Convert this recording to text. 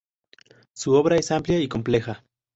Su obra es amplia y compleja.